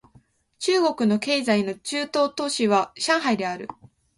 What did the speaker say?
中国の経済の中枢都市は上海である